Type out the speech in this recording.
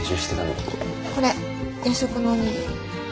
これ夜食のお握り。